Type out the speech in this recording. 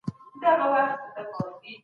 سفیران د ښو اړیکو لپاره کار کوي.